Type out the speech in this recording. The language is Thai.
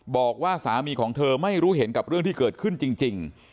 บอกว่าสามีของเธอไม่รู้เห็นกับเรื่องที่เกิดขึ้นจริง